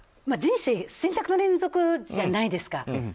人生、選択の連続じゃないですか。